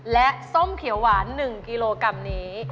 และส้มเขียวหวาน๑กิโลกรัมนี้